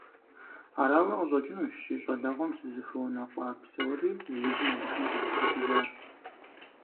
Арауэ къыщӀэкӀынущ си щӀалэгъуэм сызыхуэныкъуа псори иужьым Алыхьым къыщӀызитыжар.